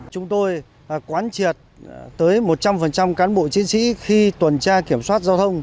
chúng tôi quán triệt tới một trăm linh cán bộ chiến sĩ khi tuần tra kiểm soát giao thông